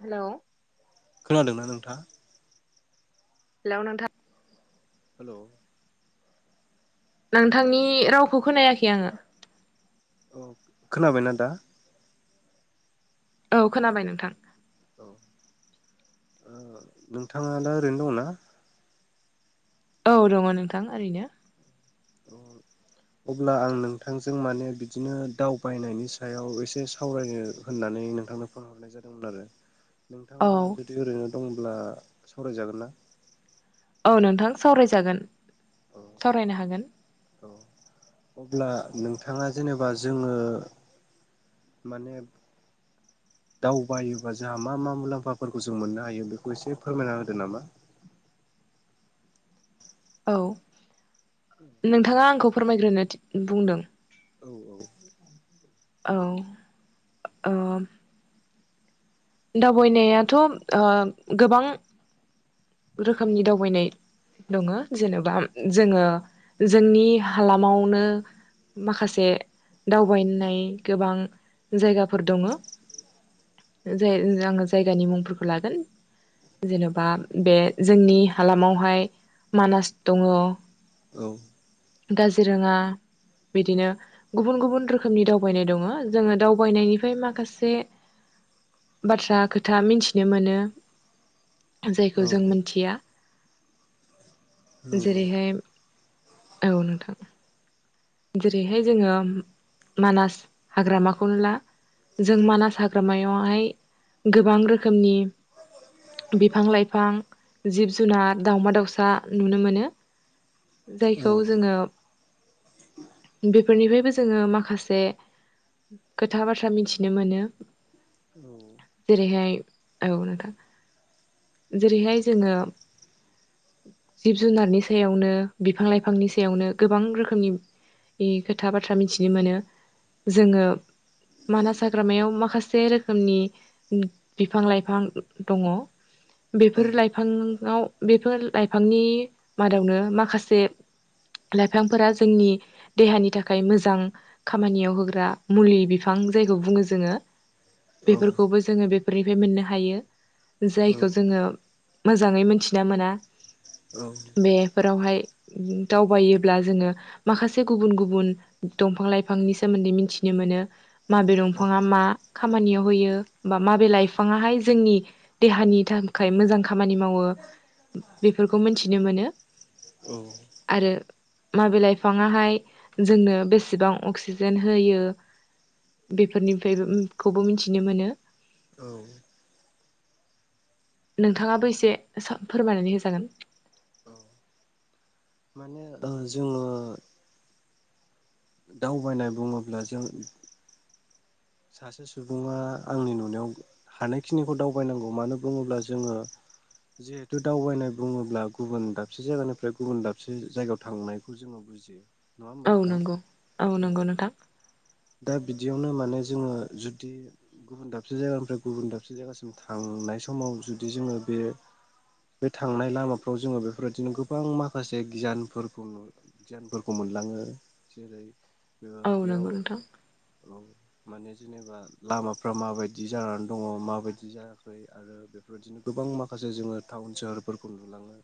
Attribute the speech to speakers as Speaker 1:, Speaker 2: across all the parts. Speaker 1: Hello
Speaker 2: खोनादोंना नोंथाङा?
Speaker 1: Hello नोंथां
Speaker 2: हेलौ
Speaker 1: नोंथांनि रावखौ खोनायाखै आङो
Speaker 2: औ खोनाबायना दा?
Speaker 1: औ खोनाबाय नोंथां
Speaker 2: औ ओ नोंथाङा दा ओरैनो दं ना
Speaker 1: औ दङ नोंथां ओरैनो
Speaker 2: ओम अब्ला आं नोंथांजों माने बिदिनो दावबायनायनि सायाव एसे सावरायनो होननानै नोंथांनो फन हरनाय जादोंमोन आरो
Speaker 1: औ
Speaker 2: नोंथाङा जुदि ओरैनो दंब्ला सावरायजागोन ना
Speaker 1: औ नोंथां सावरायजागोन
Speaker 2: औ
Speaker 1: सावरायनो हागोन
Speaker 2: औ अब्ला नोंथाङा जेनोबा जोङो माने दावबायोबा जोंहा मा मा मुलाम्फाफोरखौ जों मोननो हायो बेखौ एसे फोरमायना होदो नामा
Speaker 1: औ नोंथाङा आंखौ फोरमायग्रोनो बुंदों।
Speaker 2: औ औ
Speaker 1: औ ओम। दावबायनायाथ' ओ गोबां रोखोमनि दावबायनाय। दङ' जेनेबा जोङो जोंनि हालामावनो माखासे दावबायनाय गोबां जायगाफोर दङो। जाय जोंङो जायगानि मुंफोरखौ लागोन। जेन'बा बे जोंनि हालामावहाय मानास दङ।
Speaker 2: औ
Speaker 1: दाज्रि रोङा बिदिनो गुबुन गुबुन रोखोमनि दावबायनाय दङो जोङो दावबायनायनिफ्राय माखासे बाथ्रा खोथा मिथिनो मोनो
Speaker 2: औ
Speaker 1: जायखौ जों मोनथिया।
Speaker 2: नंगौ
Speaker 1: जेरैहाय औ नोंथां। जेरैहाय जोङो मानास हाग्रामाखौनो ला जों मानास हाग्रामायावहाय गोबां रोखोमनि बिफां लाइफां जिब जुनार दावमा दावसा नुनो मोनो।
Speaker 2: औ
Speaker 1: जायखौ जोङो। बेफोरनिफ्रायबो जोङो माखासे खोथा बाथ्रा मिथिनो मोनो। जेरै'हाय औ नोंथां। जेरैहाय जोङो जिब जुनारनि सायावनो बिफां लाइफांनि सायावनो गोबां रोखोमनि नि खोथा बाथ्रा मिथिनो मोनो जोङो। मानास हाग्रामायाव माखासे रोखोमनि बिफां लाइफां दङ।
Speaker 2: औ
Speaker 1: बेफोर लाइफाङाव बेफोर लाइफांनि मादावनो माखासे। लाइफांफोरा जोंनि देहानि थाखाय मोजां खामानियाव होग्रा मुलि बिफां जायखौ बुङो जोङो। बेफोरखौबो जोङो बेफोरनिफ्राय मोननो हायो जायखौ जोङो। मोजाङै मिथिना मोना बेफोरावहाय। दावबायोब्ला जोङो। माखासे गुबुन गुबुन दंफां लाइफांनि सोमोन्दै मिथिनो मोनो। मा बे दंफाङा मा? खामानियाव होयो बा माबे लाइफाङाहाय जोंनि देहानि थाखाय मोजां खामानि मावो। बेफोरखौ मिथिनो मोनो।
Speaker 2: औ
Speaker 1: माबे लाइफाङाहाय जोंनो बेसेबां अक्सिजेन होयो। बेफोरनिफ्राय खौबो मिथिनो मोनो।
Speaker 2: औ
Speaker 1: नोंथाङाबो एसे फोरमायनानै होजागोन।
Speaker 2: माने ओ जोङो दावबायनाय बुङोब्ला जों सासे सुबुङा आंनि नुनायाव हानायखिनिखौ दावबायनांगौ मानो बुङोब्ला जोङो। जिहेथु दावबायनाय बुङोब्ला गुबुन दाबसे जायगानिफ्राय गुबुन दाबसे जायगायाव थांनायखौ जोङो बुजियो। नङा होमबा
Speaker 1: औ
Speaker 2: नोंथां
Speaker 1: नंगौ औ नंगौ नोंथां।
Speaker 2: दा बिदियावनो माने जोङो जुदि गुबुन दाबसे जायगानिफ्राय गुबुन दाबसे जायगासिम थांनाय नाय समाव जुदि जोङो बे बे थांनाय लामाफ्राव जोङो बेफोरबायदिनो गोबां माखासे गियानफोरखौ नु गियानफोरखौ मोनो मोनलाङो जेरै ओ
Speaker 1: औ
Speaker 2: बेयाव
Speaker 1: नंगौ नोंथां
Speaker 2: औ माने जेनेबा लामाफ्रा माबायदि जानानै दङ माबायदि जायाखै आरो बेफोरबदिनो गोबां माखासे जोङो टाउन सोहोरफोरखौ नुलाङो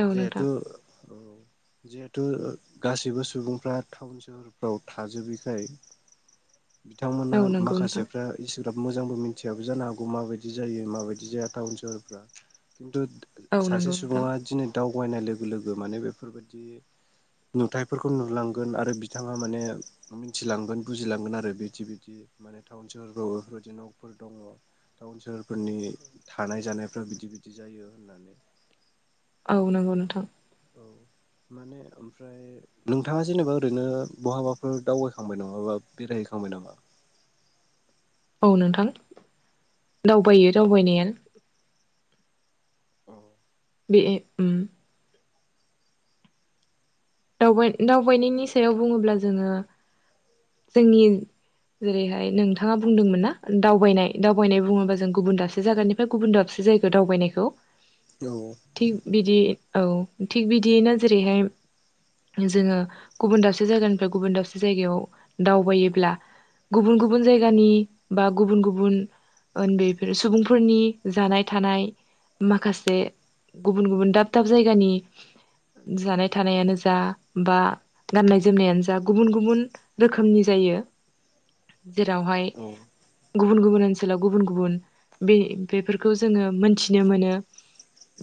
Speaker 1: औ नोंथां
Speaker 2: जिहेतु औ जिहेथु गाससिबो सुबुंफ्रा टाउन सहर फ्राव थाजोबैखाय बिथांमोना
Speaker 1: औ नंगौ नोंथां
Speaker 2: माखासेफ्रा इसोर बि मोजांबो मिथियाबो जानो हागौ माबायदि जायो माबायदि जाया टाउन सोहोरफ्रा खिन्थु
Speaker 1: औ
Speaker 2: सासे
Speaker 1: नंगौ नोंथां
Speaker 2: सुबुङा दिनै दाउ दावबायनाय लोगो लोगो माने बेफोरबायदि नुथफोरखौ नुलांगोन आरो बिदि बिथाङा माने मिथिलांगोन बुजिलांगोन आरो बिदि बिदि माने टाउन सोहरफ्राव बेफोरबायदि न'फोर दङ टाउन सोहोरफोरनि थानाय जानायफ्रा बिदि बिदि जायो होननानै
Speaker 1: औ नंगौ नोंथां
Speaker 2: औ माने ओमफ्राय नोंथाङा जेनेबा ओरैनो बहाबाफोर दावबायखांबाय नङाबा बेरायहैखांबाय बाय नामा
Speaker 1: औ नोंथां दावबायो दावबायनाया बे उम दावबाय दावबायनायनि सायाव बुङोब्ला जोङो जोंनि जेरैहाय नोंथाङा बुंदोंमोन ना दावबायनाय दावबायनाय बुङोबा जों गुबुन दाबसे जायगानिफ्राय गुबुन दाबसे जायखौ दावबायनायखौ
Speaker 2: औ
Speaker 1: थिग बिदि औ थिग बिदियैनो जेरैहाय जोङो गुबुन गुबुन जायगानि बा गुबुन गुबुन उन्दैफोरो सुबुंफोरनि जानाय थानाय माखासे गुबुन गुबुन दाब दाब जायगानि जानाय थानायानो जा बा गाननाय जोमनायानो जा गुबुन गुबुन रोखोमनि जायो जेरावहाय
Speaker 2: औ
Speaker 1: गुबुन गुबुन ओनसोलाव गुबुन गुबुन बे बेफोरखौ जोङो मोनथिनो मोनो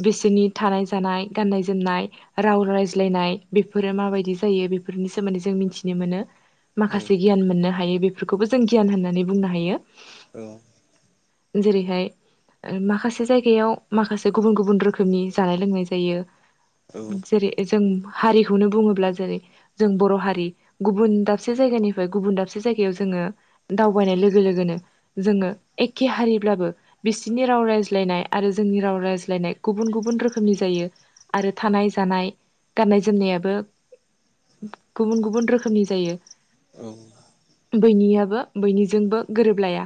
Speaker 1: बिसोरनि थानाय जानाय गाननाय जोमनाय राव रायज्लायनाय बेफोरो माबायदि जायो बेफोरनि सोमोन्दै जों मिथिनो मोनो
Speaker 2: औ
Speaker 1: माखासे गियान मोननो हायो बेफोरखौबो जों गियान होननानै बुंनो हायो
Speaker 2: औ
Speaker 1: जेरैहाय माखासे जायगायाव माखासे गुबुन गुबुन रोखोमनि जानाय लोंनाय जायो जेरै जों हारिखौनो बुङोब्ला जेरै जों बर' हारि गुबुन दाबसे दाबसे जायगानिफ्राय गुबुन दाबसे जायगायाव जोङो दावबायनाय लोगो लोगोनो जोङो एखे हारि ब्लाबो बिसिनि राव रायज्लायनाय आरो जोंनि राव रायज्लायनाय गुबुन गुबुन रोखोमनि जायो आरो थानाय जानाय गाननाय जोमनायाबो गुबुन गुबुन रोखोमनि जायो
Speaker 2: औ
Speaker 1: बैनियाबो बैनिजोंबो गोरोबलाया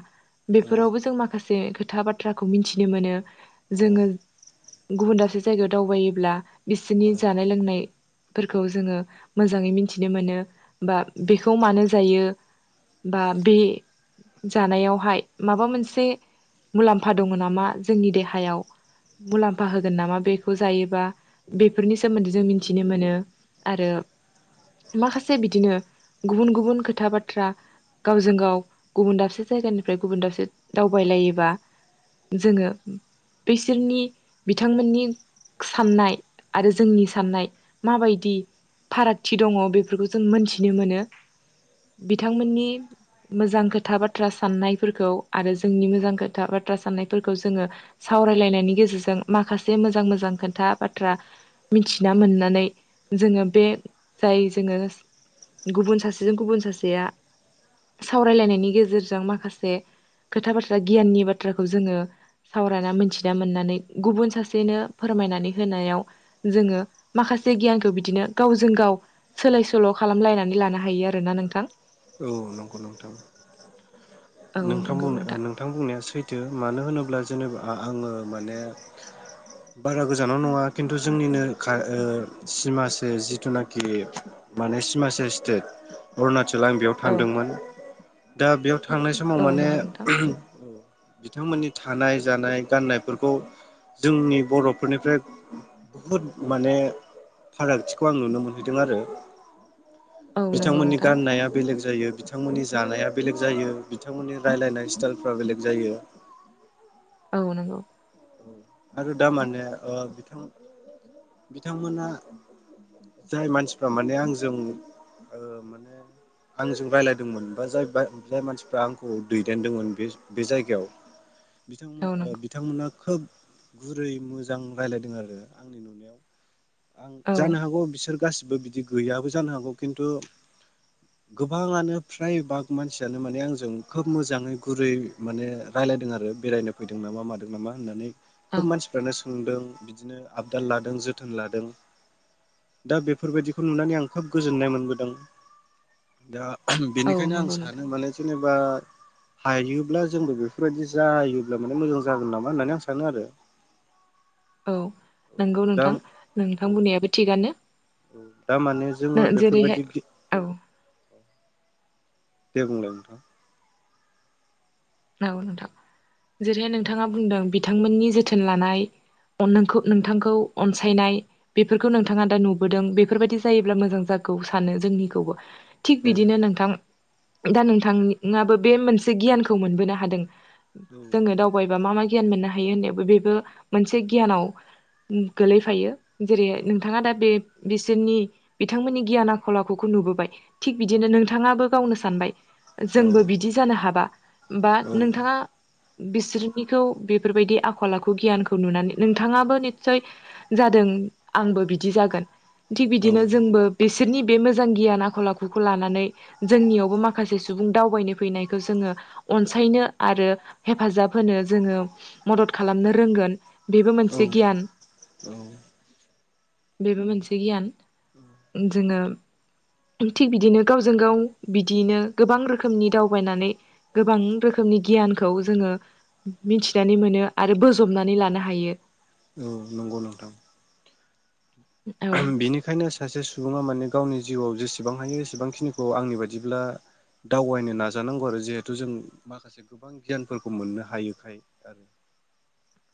Speaker 1: बेफोरावबो जों माखासे खोथा बाथ्राखौ मिथिनो मोनो जोङो गुबुन दाबसे जायगायाव दावबायोब्ला बिसोरनि जानाय लोंनाय फोरखौ जोङो मोजाङै मिथिनो मोनो बा बेखौ मानो जायो बा बे जानायावहाय माबा मोनसे मुलाम्फा दङ नामा जोंनि देहायाव मुलाम्फा होगोन नामा बेखौ जायोबा बेफोरनि सोमोन्दै जों मिथिनो मोनो आरो माखासे बिदिनो गुबुन गुबुन खोथा बाथ्रा गावजों गाव गुबुन दाबसे जायगानिफ्राय गुबुन दाबसे दावबायलायोबा जोङो बैसोरनि बिथांमोननि साननाय आरो जोंनि साननाय माबायदि फारागथि दङ' बेफोरखौ जों मोन्थिनो मोनो।
Speaker 2: [inaudible]
Speaker 1: बिथांमोननि मोजां खोथा बाथ्रा साननायफोरखौ आरो जोंनि मोजां खोथा बाथ्रा साननायफोरखौ जोङो सावरायलायनायनि गेजेरजों माखासे मोजां मोजां खोन्था बाथ्रा मिथिना मोननानै जोङो बे जाय जोङो गुबुन सासेजों गुबुन सासेया सावरायलायनायनि गेजेरजों माखासे खोथा बाथ्रा गियाननि बाथ्राखौ जोङो सावरायना मिथिना मोननानै गुबुन सासेनो फोर फोरमायनानै होनायाव जोङो माखासे गियानखौ बिदिनो गावजों गाव सोलाय सोल' खालाम खालामलायनानै लानो हायो आरोना नोंथां।
Speaker 2: औ नंगौ नोंथां
Speaker 1: औ
Speaker 2: नोंथां
Speaker 1: नंगौ
Speaker 2: नोंथां बुंनाया सैथ जों मानो होनोब्ला जेनेबा आङो माने बारा गोजानाव नङा खिन्थु जोंनिनो सिमासे जिथुनाखि माने सिमासे स्टेट अरूणाचल। आं बेयाव
Speaker 1: औ
Speaker 2: थांदोंमोन दा बेयाव थांनाय समाव
Speaker 1: औ
Speaker 2: माने
Speaker 1: नंगौ नोंथां
Speaker 2: बिथांमोननि थानाय जानाय गाननायफोरखौ जोंनि बर'फोरनिफ्राय बुहुद माने फारागथिखौ आं नुनो मोनहैदों आरो
Speaker 1: औ नंगौ
Speaker 2: बिथांमोननि
Speaker 1: नोंथां
Speaker 2: गाननाया बेलेग जायो बिथांमोननि जानाया बेलेग जायो बिथांमोननि रायज्लायनाय स्टाइलफ्रा बेलेग जायो [inaudible]
Speaker 1: औ नंगौ
Speaker 2: आरो दामाने बिथां बिथांमोना जाय मानसिफ्रा माने आंजों ओ माने आंजों रायज्लायदोंमोन बा जाय जाय मानसिफ्रा आंखौ दैदेनदोंमोन बे बे जायगायाव
Speaker 1: औ
Speaker 2: बिथांमोन
Speaker 1: नंगौ
Speaker 2: बिथांमोना खोब गुरै मोजां रायज्लायदों आरो आंनि नुनायाव आं
Speaker 1: औ
Speaker 2: जानो हागौ बिसोर गासिबो बिदि गैयाबो जानो हागौ खिन्थु गोबाङानो फ्राय बाग मानसियानो माने आंजों खोब मोजाङै गुरै माने राय रायज्लायदों आरो बेरायनो फैदों नामा मादों नामा होननानै
Speaker 1: औ
Speaker 2: खोब मानसिफोरानो सों सोंदों बिदिनो आबदान लादों जोथोन लादों। दा बेफोरबायदिखौ नुनानै आं खोब गोजोननाय मोनबोदों दा
Speaker 1: औ
Speaker 2: बेनिखायनो आं
Speaker 1: नंगौ
Speaker 2: सानो
Speaker 1: नोंथां
Speaker 2: माने जेनेबा बा हायोब्ला जोंबो बेफोरबायदि जायोब्ला माने मोजां जागोन नामा होननानै आं सानो आरो
Speaker 1: औ
Speaker 2: औ
Speaker 1: नंगौ
Speaker 2: दा
Speaker 1: नोंथां
Speaker 2: औ
Speaker 1: नोंथां बुंनायाबो थिगानो।
Speaker 2: दा माने जोङो
Speaker 1: जेरैहाय
Speaker 2: बेफोरबायदि गि
Speaker 1: औ
Speaker 2: दे बुंलाय नोंथां
Speaker 1: औ नोंथां जेरैहाय नोंथाङा बुंदों बिथांमोननि जोथोन लानाय अ नोंखौ नोंथांखौ अनसायनाय बेफोरखौ नोंथाङा दा नुबोदों बेफोरबायदि जायोब्ला मोजां जागोन खौ सानो जोंनिखौबो थिग बिदिनो नोंथां दा नोंथाङाबो बे मोनसे गियानखौ मोनबोनो हादों
Speaker 2: औ
Speaker 1: जोङो दावबायबा मा मा गियान मोननो हायो होननायावबो बेबो मोनसे गियानाव गोलैफायो। जेरै नोंथाङा दा बे बिसोरनि बिथांमोननि गियान आखल आखुखौ नुबोबाय। थिग बिदिनो नोंथाङाबो गावनो सानबाय
Speaker 2: औ
Speaker 1: जोंबो बिदि जानो हाबा बा नोंथाङा बिसोरनिखौ बेफोरबायदि आखल आखु गियानखौ नुनानै नोंथाङाबो निस्सय जादों आंबो बिदि जागोन थिग
Speaker 2: औ
Speaker 1: बिदिनो जोंबो बिसोरनि बे मोजां गियान आखल आखुखौ लानानै जोंनियावबो माखासे सुबुं सुबुं दावबायनो फैनायखौ जोङो अनसायनो आरो हेफाजाब होनो जोङो मदद खालामनो रोंगोन बेबो
Speaker 2: औ
Speaker 1: मोनसे गियान
Speaker 2: औ
Speaker 1: बेबो मोनसे गियान जोङो थिग बिदिनो गावजों गाव बिदियैनो गोबां रोखोमनि दावबायनानै गोबां रोखोमनि गियानखौ जोङो मिथिनानै मोनो आरो बोजबनानै लानो हायो
Speaker 2: औ नंगौ नोंथां
Speaker 1: औ
Speaker 2: बिनिखायनो सासे सुबुङा माने गावनि जिउआव जेसेबां हायो एसेबांखिनिखौ आंनि बादिब्ला दावबायनो नाजानांगौ आरो जिहेथु जों माखासे गोबां गियानफोरखौ मोननो हायोखाय आरो [inaudible]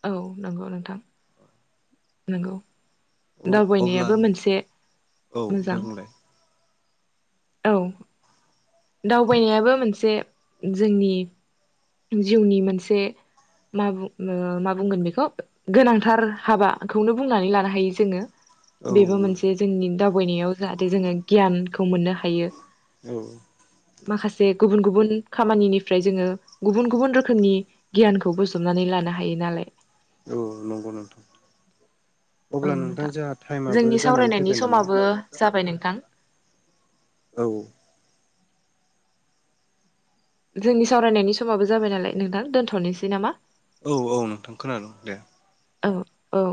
Speaker 1: औ नंगौ नोंथां नंगौ
Speaker 2: आरो अब्ला
Speaker 1: दावबायनायाबो मोनसे
Speaker 2: औ दे
Speaker 1: मोजां
Speaker 2: बुंलाय
Speaker 1: औ दावबायनायाबो मोनसे जोंनि जिउनि मोनसे मा बुं मा बुंगोन बेखौ गोनांथार हाबाखौनो बुंनानै लानो हायो जोङो
Speaker 2: औ
Speaker 1: बेबो
Speaker 2: नंगौ
Speaker 1: मोनसे जोंनि दावबायनायाव जाहाथे जोङो गियानखौ मोननो हायो
Speaker 2: औ
Speaker 1: जे गुबुन गुबुन खामानिनिफ्राय जोङो गुबुन गुबुन रोखोमनि गियानखौ बोजबनानै लानो हायो नालाय
Speaker 2: औ नंगौ नोंथां अब्ला नोंथां जोंहा टाइमआबो
Speaker 1: जोंनि
Speaker 2: जानानै
Speaker 1: सावरायनायनि
Speaker 2: फैबाय नामा
Speaker 1: समाबो जाबाय नोंथां
Speaker 2: औ
Speaker 1: जोंनि सावरायनायनि समाबो जाबाय नालाय नोंथां दोनथ'नोसै नामा
Speaker 2: औ औ नोंथां खोनादोंं दे
Speaker 1: औ औ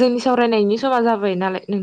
Speaker 1: जोंनि सावरायनायनि समा जाबाय नालाय नोंथां